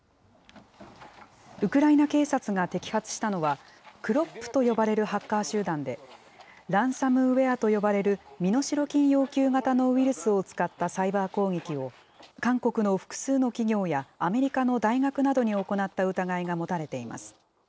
ウクライナ警察が摘発したのは、クロップと呼ばれるハッカー集団で、ランサムウエアと呼ばれる身代金要求型のウイルスを使ったサイバー攻撃を、韓国の複数の企業や、アメリカの大学などに行った疑いが持たれています。